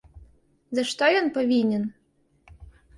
За што ён павінен?